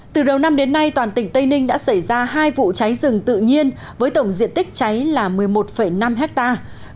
từ đầu năm đến nay toàn tỉnh tây ninh đã xảy ra hai vụ cháy rừng tự nhiên với tổng diện tích cháy là một mươi một năm hectare